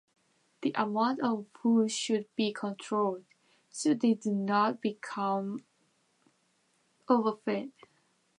The amount of food should be controlled, so they do not become overfed.